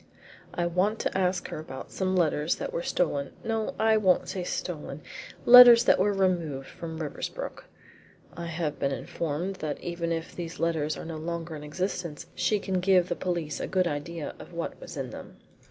"I want to ask her about some letters that were stolen no, I won't say stolen letters that were removed from Riversbrook. I have been informed that even if these letters are no longer in existence she can give the police a good idea of what was in them."